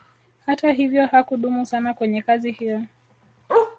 Hata hivyo hakudumu sana kwenye kazi hiyo